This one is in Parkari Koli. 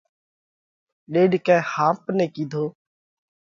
ڏيڏڪئہ ۿاپ نئہ ڪِيڌو: